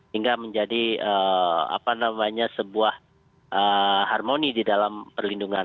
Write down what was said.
hingga menjadi sebuah harmoni di dalam perlindungan